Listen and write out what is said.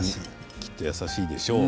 きっと優しいでしょう。